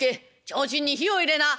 提灯に火を入れな」。